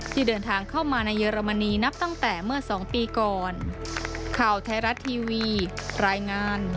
ที่เดินทางเข้ามาในเยอรมนีนับตั้งแต่เมื่อ๒ปีก่อน